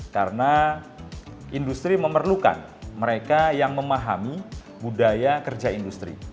karena industri memerlukan mereka yang memahami budaya kerja industri